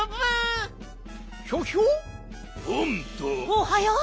おはよう！